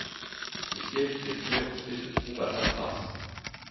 Le siège de cette nouvelle entité se trouve à Patras.